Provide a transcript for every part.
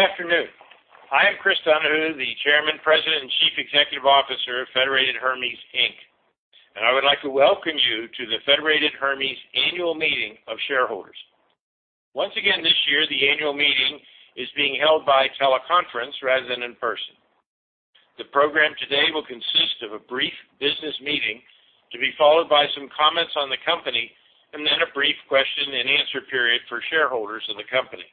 Good afternoon. I am Chris Donahue, the Chairman, President, and Chief Executive Officer of Federated Hermes, Inc. I would like to welcome you to the Federated Hermes Annual Meeting of Shareholders. Once again, this year, the annual meeting is being held by teleconference rather than in person. The program today will consist of a brief business meeting to be followed by some comments on the company and then a brief question and answer period for shareholders of the company.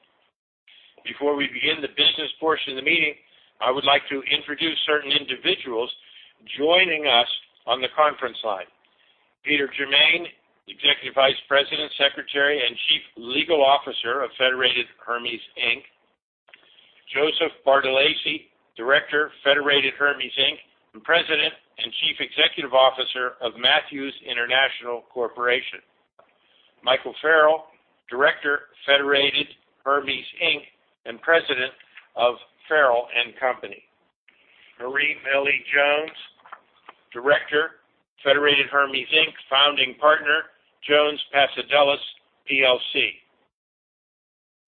Before we begin the business portion of the meeting, I would like to introduce certain individuals joining us on the conference line. Peter Germain, Executive Vice President, Secretary, and Chief Legal Officer of Federated Hermes, Inc. Joseph Bartolacci, Director, Federated Hermes, Inc., and President and Chief Executive Officer of Matthews International Corporation. Michael Farrell, Director, Federated Hermes, Inc., and President of Farrell & Co. Marie Milie Jones, Director, Federated Hermes, Inc., Founding Partner, JonesPassodelis, PLLC.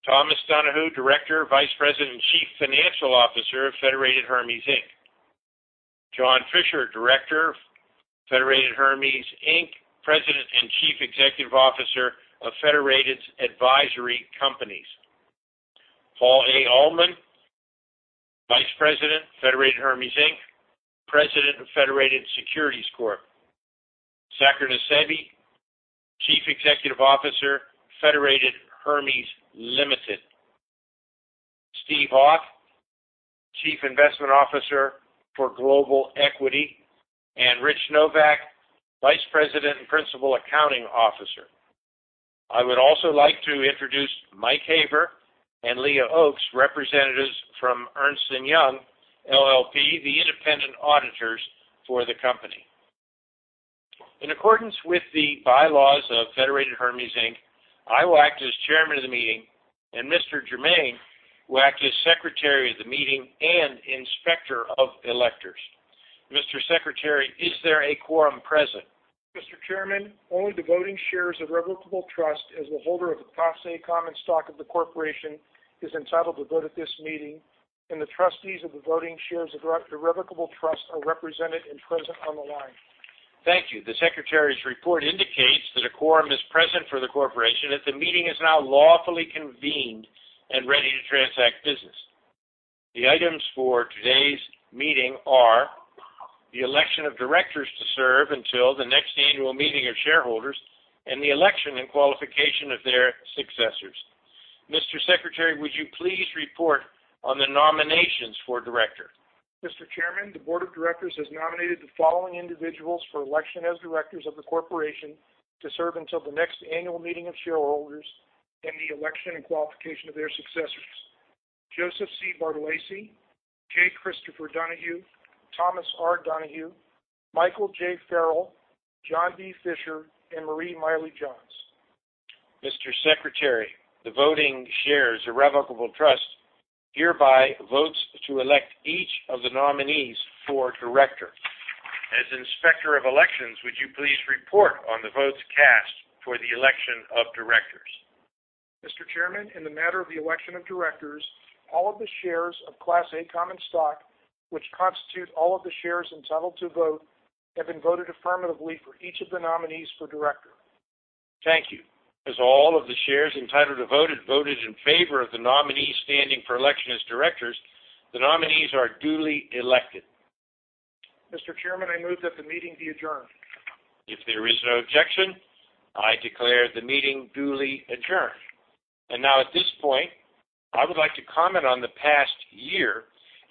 Thomas R. Donahue, Director, Vice President, and Chief Financial Officer of Federated Hermes, Inc. John B. Fisher, Director, Federated Hermes, Inc., President and Chief Executive Officer of Federated Advisory Companies. Paul A. Uhlman, Vice President, Federated Hermes, Inc., President of Federated Securities Corp. Saker Nusseibeh, Chief Executive Officer, Federated Hermes Limited. Steve Hawk, Chief Investment Officer for Global Equity, and Rich Novak, Vice President and Principal Accounting Officer. I would also like to introduce Mike Haber and Leah Oakes, representatives from Ernst & Young LLP, the independent auditors for the company. In accordance with the bylaws of Federated Hermes, Inc., I will act as chairman of the meeting, and Mr. Germain will act as secretary of the meeting and inspector of electors. Mr. Secretary, is there a quorum present? Mr. Chairman, only the voting shares of Irrevocable Trust as the holder of the Class A common stock of the corporation is entitled to vote at this meeting, and the trustees of the voting shares of the Irrevocable Trust are represented and present on the line. Thank you. The secretary's report indicates that a quorum is present for the corporation, and the meeting is now lawfully convened and ready to transact business. The items for today's meeting are the election of directors to serve until the next annual meeting of shareholders and the election and qualification of their successors. Mr. Secretary, would you please report on the nominations for director? Mr. Chairman, the board of directors has nominated the following individuals for election as directors of the corporation to serve until the next annual meeting of shareholders and the election and qualification of their successors. Joseph C. Bartolacci, J. Christopher Donahue, Thomas R. Donahue, Michael J. Farrell, John B. Fisher, and Marie Milie Jones. Mr. Secretary, the Voting Shares Irrevocable Trust hereby votes to elect each of the nominees for director. As Inspector of Elections, would you please report on the votes cast for the election of directors? Mr. Chairman, in the matter of the election of directors, all of the shares of Class A common stock, which constitute all of the shares entitled to vote, have been voted affirmatively for each of the nominees for director. Thank you. As all of the shares entitled to vote had voted in favor of the nominees standing for election as directors, the nominees are duly elected. Mr. Chairman, I move that the meeting be adjourned. If there is no objection, I declare the meeting duly adjourned. Now at this point, I would like to comment on the past year,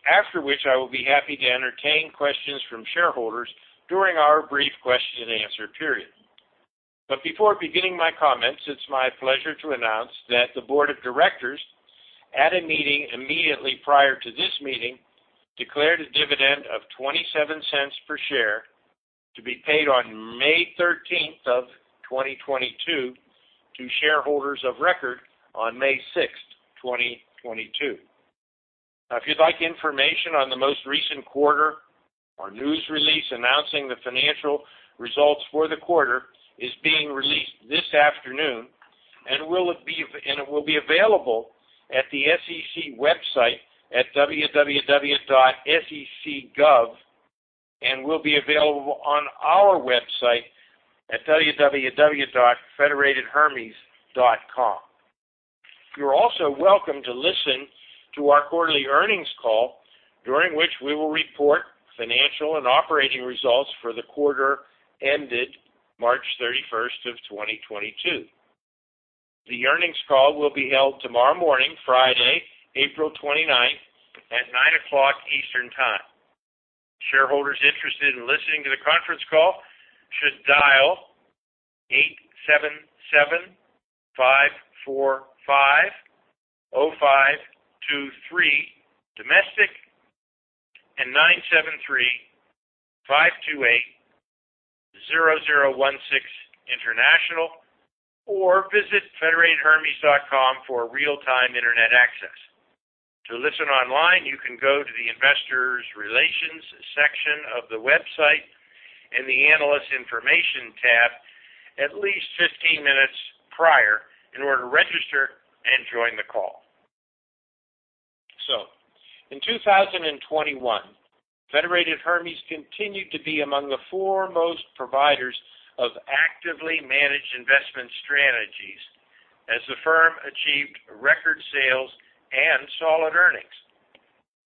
after which I will be happy to entertain questions from shareholders during our brief question and answer period. Before beginning my comments, it's my pleasure to announce that the board of directors, at a meeting immediately prior to this meeting, declared a dividend of $0.27 per share to be paid on May 13, 2022 to shareholders of record on May 6, 2022. Now, if you'd like information on the most recent quarter, our news release announcing the financial results for the quarter is being released this afternoon and it will be available at the SEC website at www.sec.gov and will be available on our website at www.federatedhermes.com. You're also welcome to listen to our quarterly earnings call, during which we will report financial and operating results for the quarter ended March 31, 2022. The earnings call will be held tomorrow morning, Friday, April 29 at 9:00 A.M. Eastern Time. Shareholders interested in listening to the conference call should dial 877-545-0523 domestic and 973-528-0016 international, or visit federatedhermes.com for real-time internet access. To listen online, you can go to the investor relations section of the website. In the Analyst Information tab at least 15 minutes prior in order to register and join the call. In 2021, Federated Hermes continued to be among the foremost providers of actively managed investment strategies as the firm achieved record sales and solid earnings.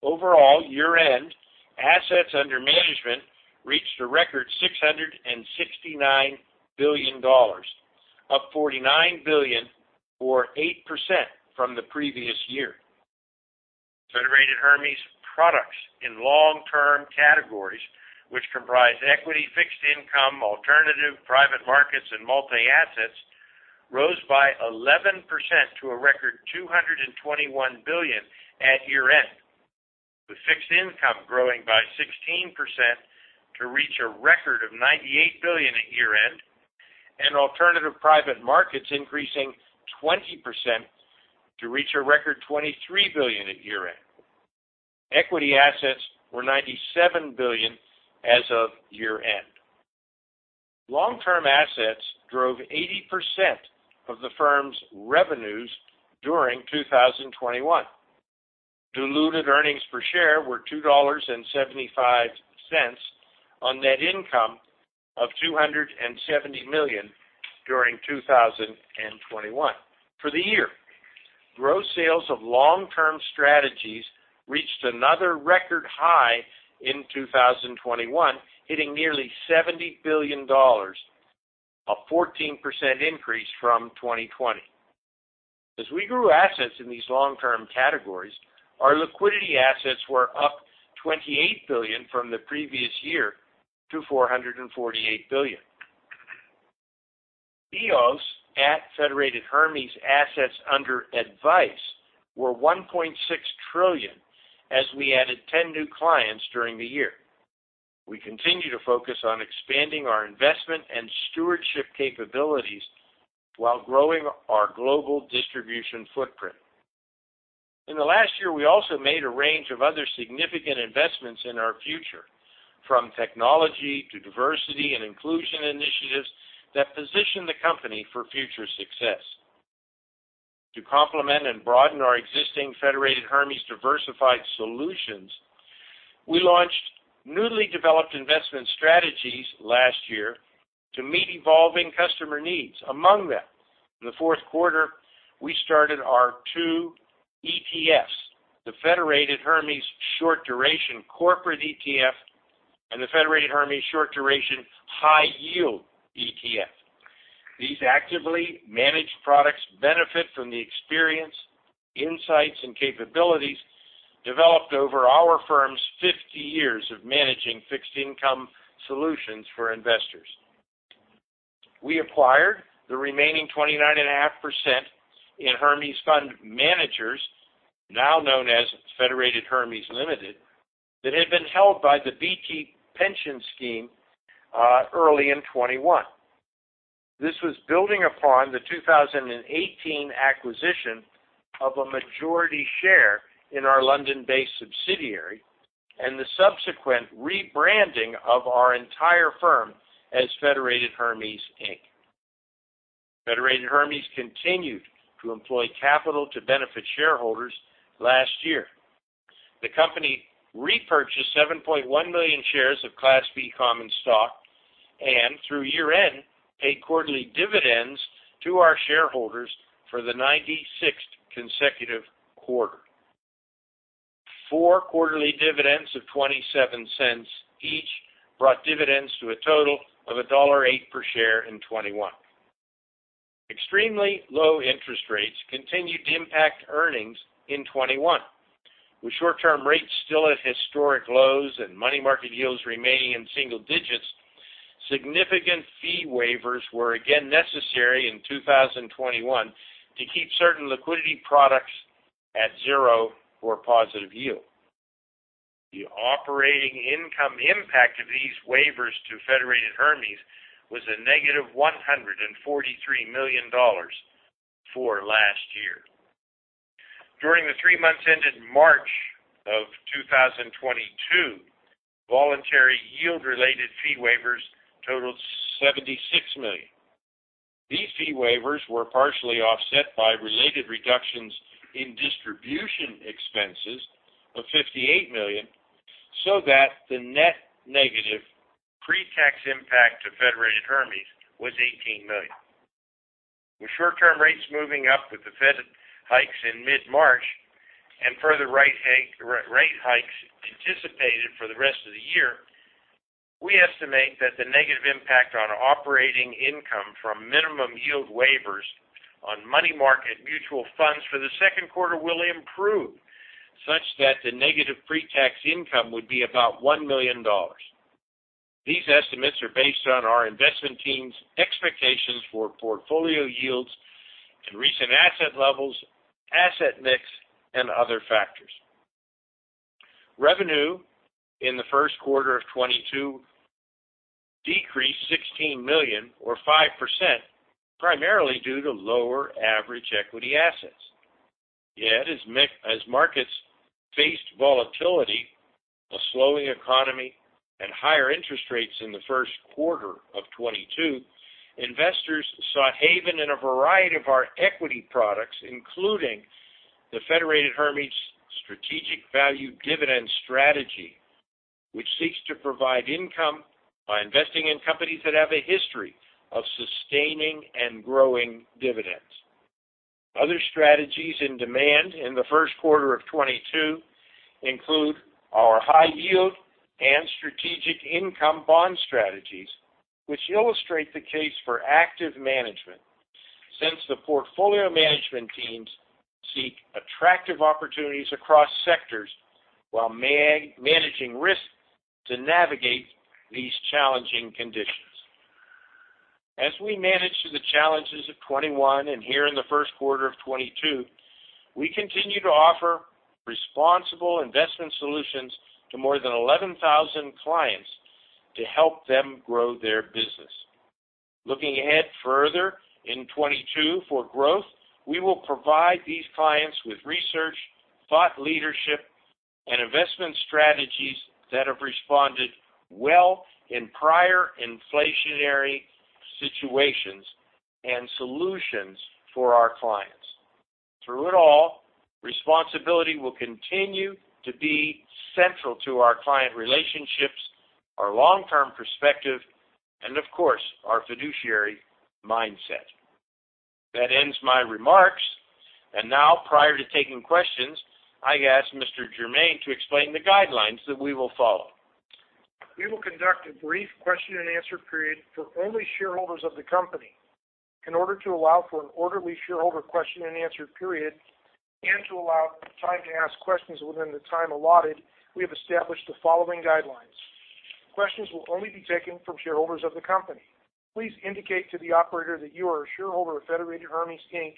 Overall, year-end assets under management reached a record $669 billion, up $49 billion or 8% from the previous year. Federated Hermes products in long-term categories, which comprise equity, fixed income, alternative, private markets, and multi-assets, rose by 11% to a record $221 billion at year-end, with fixed income growing by 16% to reach a record of $98 billion at year-end, and alternative private markets increasing 20% to reach a record $23 billion at year-end. Equity assets were $97 billion as of year-end. Long-term assets drove 80% of the firm's revenues during 2021. Diluted earnings per share were $2.75 on net income of $270 million during 2021. For the year, gross sales of long-term strategies reached another record high in 2021, hitting nearly $70 billion, a 14% increase from 2020. As we grew assets in these long-term categories, our liquidity assets were up $28 billion from the previous year to $448 billion. EOS at Federated Hermes assets under advice were $1.6 trillion as we added 10 new clients during the year. We continue to focus on expanding our investment and stewardship capabilities while growing our global distribution footprint. In the last year, we also made a range of other significant investments in our future, from technology to diversity and inclusion initiatives that position the company for future success. To complement and broaden our existing Federated Hermes diversified solutions, we launched newly developed investment strategies last year to meet evolving customer needs. Among them, in the fourth quarter, we started our two ETFs, the Federated Hermes Short Duration Corporate ETF and the Federated Hermes Short Duration High Yield ETF. These actively managed products benefit from the experience, insights, and capabilities developed over our firm's 50 years of managing fixed income solutions for investors. We acquired the remaining 29.5% in Hermes Fund Managers, now known as Federated Hermes Limited, that had been held by the BT Pension Scheme early in 2021. This was building upon the 2018 acquisition of a majority share in our London-based subsidiary and the subsequent rebranding of our entire firm as Federated Hermes, Inc. Federated Hermes continued to employ capital to benefit shareholders last year. The company repurchased 7.1 million shares of Class B common stock and, through year-end, paid quarterly dividends to our shareholders for the 96th consecutive quarter. Four quarterly dividends of 27 cents each brought dividends to a total of $1.08 per share in 2021. Extremely low interest rates continued to impact earnings in 2021, with short-term rates still at historic lows and money market yields remaining in single digits. Significant fee waivers were again necessary in 2021 to keep certain liquidity products at zero or positive yield. The operating income impact of these waivers to Federated Hermes was -$143 million for last year. During the three months ended March of 2022, voluntary yield-related fee waivers totaled $76 million. These fee waivers were partially offset by related reductions in distribution expenses of $58 million, so that the net negative pre-tax impact to Federated Hermes was $18 million. With short-term rates moving up with the Fed hikes in mid-March and further rate hikes anticipated for the rest of the year, we estimate that the negative impact on operating income from minimum yield waivers on money market mutual funds for the second quarter will improve, such that the negative pre-tax income would be about $1 million. These estimates are based on our investment team's expectations for portfolio yields and recent asset levels, asset mix, and other factors. Revenue in the first quarter of 2022 decreased $16 million or 5%, primarily due to lower average equity assets. Yet as markets faced volatility, a slowing economy, and higher interest rates in the first quarter of 2022, investors sought haven in a variety of our equity products, including the Federated Hermes Strategic Value Dividend Strategy, which seeks to provide income by investing in companies that have a history of sustaining and growing dividends. Other strategies in demand in the first quarter of 2022 include our high yield and strategic income bond strategies, which illustrate the case for active management since the portfolio management teams seek attractive opportunities across sectors while managing risk to navigate these challenging conditions. As we manage through the challenges of 2021 and here in the first quarter of 2022, we continue to offer responsible investment solutions to more than 11,000 clients to help them grow their business. Looking ahead further in 2022 for growth, we will provide these clients with research, thought leadership, and investment strategies that have responded well in prior inflationary situations and solutions for our clients. Through it all, responsibility will continue to be central to our client relationships, our long-term perspective, and of course, our fiduciary mindset. That ends my remarks. Now prior to taking questions, I ask Mr. Germain to explain the guidelines that we will follow. We will conduct a brief question and answer period for only shareholders of the company. In order to allow for an orderly shareholder question and answer period, and to allow time to ask questions within the time allotted, we have established the following guidelines. Questions will only be taken from shareholders of the company. Please indicate to the operator that you are a shareholder of Federated Hermes, Inc.,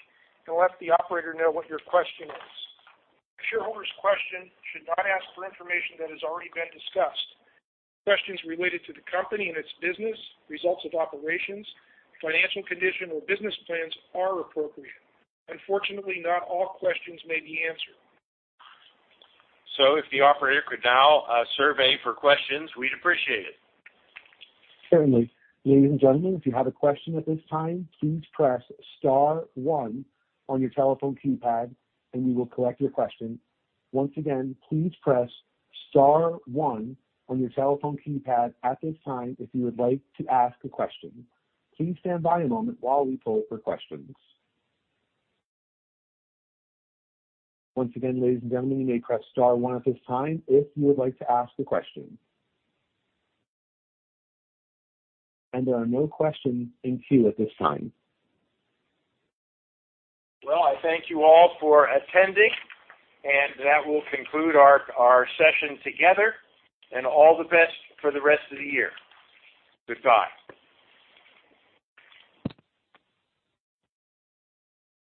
and let the operator know what your question is. A shareholder's question should not ask for information that has already been discussed. Questions related to the company and its business, results of operations, financial condition, or business plans are appropriate. Unfortunately, not all questions may be answered. If the operator could now survey for questions, we'd appreciate it. Certainly. Ladies and gentlemen, if you have a question at this time, please press star one on your telephone keypad, and we will collect your question. Once again, please press star one on your telephone keypad at this time if you would like to ask a question. Please stand by a moment while we poll for questions. Once again, ladies and gentlemen, you may press star one at this time if you would like to ask a question. There are no questions in queue at this time. Well, I thank you all for attending, and that will conclude our session together, and all the best for the rest of the year. Goodbye.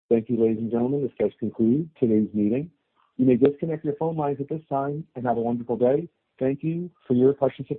Thank you, ladies and gentlemen. This does conclude today's meeting. You may disconnect your phone lines at this time and have a wonderful day. Thank you for your participation.